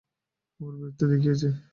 আমরা বীরত্ব দেখিয়েছি।